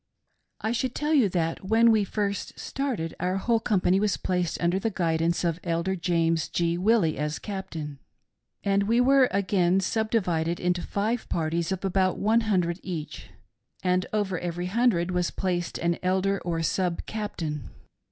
"I should t0ll you that when we first started, our whole company was placed under the guidance of Elder James G. Willie as captain ; and we were again sub divided into five parties of about one hundred each, and over every hundred was placed an Elder or sub captain.